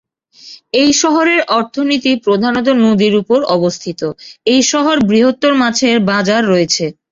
এই শহরের অর্থনীতি প্রধানত নদীর উপর অবস্থিত। এই শহর বৃহত্তর মাছের বাজার রয়েছে।